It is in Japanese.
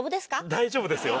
大丈夫ですよ。